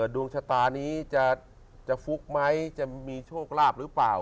ดวงชะตานี้จะฟุกไหมจะมีโชคลาภหรือเปล่า